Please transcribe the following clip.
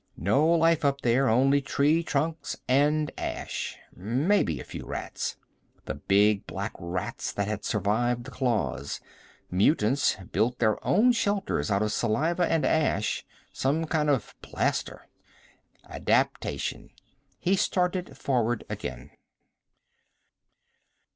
No life up there, only tree trunks and ash. Maybe a few rats. The big black rats that had survived the claws. Mutants built their own shelters out of saliva and ash. Some kind of plaster. Adaptation. He started forward again.